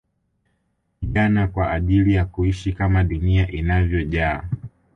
Kupigana kwa ajili ya kuishi kama dunia inavyojaa